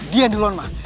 dia yang duluan man